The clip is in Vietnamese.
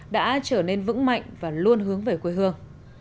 đã trở nên vững mạnh và luôn hướng về quê hương